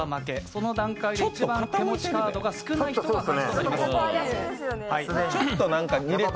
その段階で、一番手持ちカードが少ない人が勝ちです。